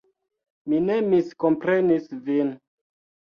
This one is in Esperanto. Mi ne miskomprenis vin.